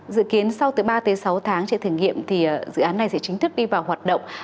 dự kiến sau từ ba tới sáu tháng chạy thử nghiệm thì dự án này sẽ chính thức đi vào hoạt động